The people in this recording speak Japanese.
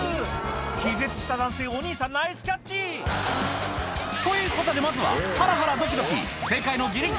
気絶した男性お兄さんナイスキャッチということでまずは大連発！